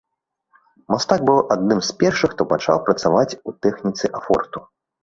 Мастак быў адным з першых, хто пачаў працаваць у тэхніцы афорту.